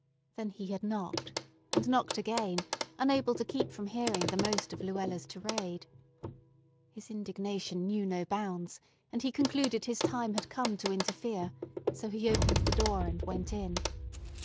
Then he had knocked, and knocked again, unable to keep from hearing the most of Luella's tirade. His indignation knew no bounds, and he concluded his time had come to interfere; so he opened the door, and went in.